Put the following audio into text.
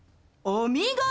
お見事！